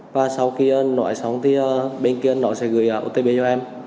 và sau khi nói xong thì bên kia nó sẽ gửi otp cho em